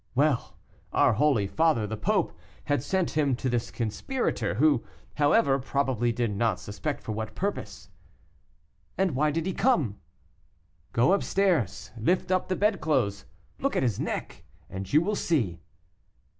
"Well, our holy father, the Pope, had sent him to this conspirator, who, however, probably did not suspect for what purpose." "And why did he come?" "Go up stairs, lift up the bedclothes, look at his neck, and you will see."